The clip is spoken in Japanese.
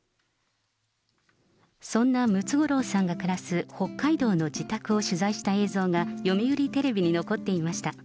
そんなムツゴロウさんが暮らす、北海道の自宅を取材した映像が、読売テレビに残っていました。